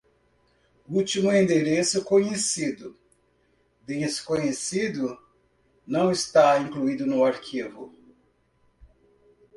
Último endereço conhecido: desconhecido, não está incluído no arquivo.